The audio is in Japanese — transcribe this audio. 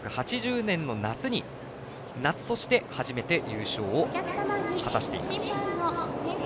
１９８０年の夏に夏として初めて優勝を果たしています。